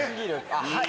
はい。